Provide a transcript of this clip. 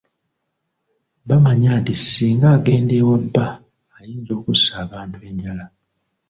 Bamanya nti singa agenda ewa bba ayinza okussa abantu enjala.